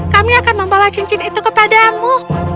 kami akan membawa cincin itu kepadamu